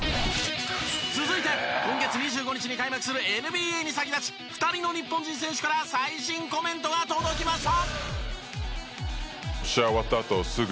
続いて今月２５日に開幕するＮＢＡに先立ち２人の日本人選手から最新コメントが届きました。